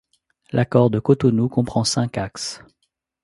L’accord de Cotonou comprend cinq axes.